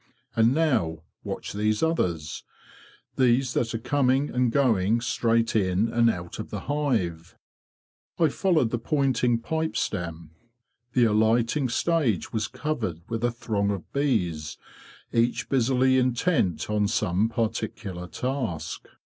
And now watch these others—these that are coming and going straight in and out of the hive." I followed the pointing pipe stem. The alighting stage was covered with a throng of bees, each busily intent on some particular task.